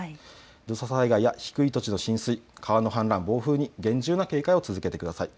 土砂災害や低い土地の浸水、川の氾濫、暴風に厳重な警戒を続けてください。